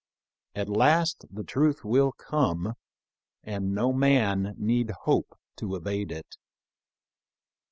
At last the truth will come, and no man need hope to evade it.